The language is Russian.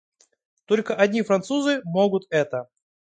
Только одни французы могут это.